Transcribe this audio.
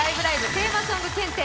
テーマソング検定！」。